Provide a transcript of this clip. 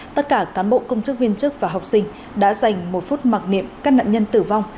tất cả cán bộ công chức viên chức và học sinh đã dành một phút mặc niệm các nạn nhân tử vong